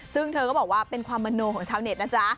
ซึ่งเธอก็บอกว่าเป็นความมโนของชาวเน็ตนะจ๊ะ